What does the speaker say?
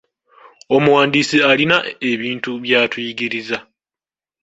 Omuwandiisi alina ebintu by'atuyigiriza.